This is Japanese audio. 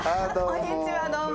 こんにちは、どうも。